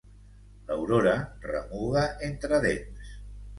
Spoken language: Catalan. L'Aurora remuga entre dents.